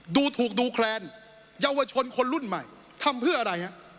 ดูถูกดูแคลนเยาวชนคนรุ่นใหม่ทำเพื่ออะไรฮะ